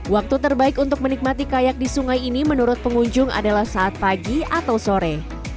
waktu terbaik untuk menikmati kayak di sungai ini menurut pengunjung adalah saat pagi atau sore